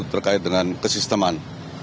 terkait dengan kesisteman